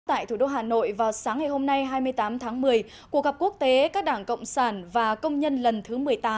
tại thủ đô hà nội vào sáng ngày hôm nay hai mươi tám tháng một mươi cuộc gặp quốc tế các đảng cộng sản và công nhân lần thứ một mươi tám